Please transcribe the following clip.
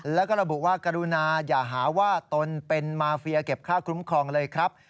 แล้วก็ระบุว่ากรุณาอย่าหาว่าตนเป็นมาเฟียเก็บค่าคุ้มครองเลยครับ